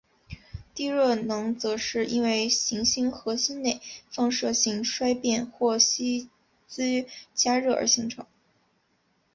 地热能则是因为行星核心内放射性衰变或吸积加热而形成。